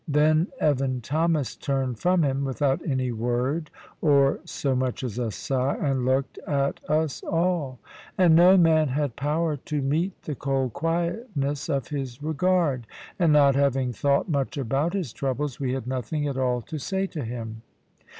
Then Evan Thomas turned from him, without any word, or so much as a sigh, and looked at us all; and no man had power to meet the cold quietness of his regard. And not having thought much about his troubles, we had nothing at all to say to him.